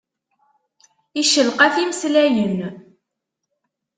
Iccelqaf imeslayen.